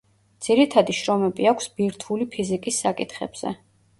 ძირითადი შრომები აქვს ბირთვული ფიზიკის საკითხებზე.